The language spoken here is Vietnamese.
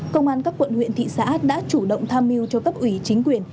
công an các quận huyện thị xã đã chủ động tham mưu cho cấp ủy chính quyền